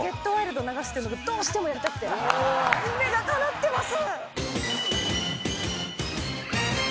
夢がかなってます！